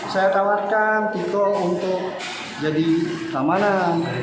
saya tawarkan tikul untuk jadi keamanan